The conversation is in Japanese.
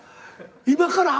今から？